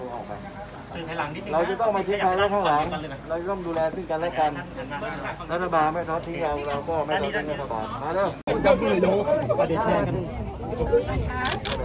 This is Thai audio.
เราต้องให้ไม่ทอดทิ้งซึ่งกันและกันลูกลูกลูกลูกลูก